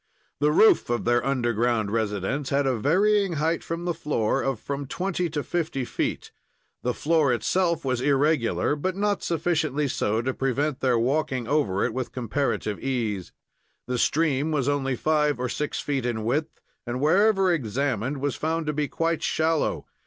The roof of their underground residence had a varying height from the floor of from twenty to fifty feet. The floor itself was regular, but not sufficiently so to prevent their walking over it with comparative ease. The stream was only five or six feet in width and wherever examined was found to be quite shallow.